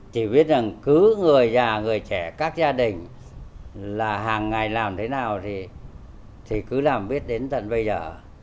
chỉ biết rằng cứ người già người trẻ các gia đình là hàng ngày làm thế nào thì cứ làm biết đến tận bây giờ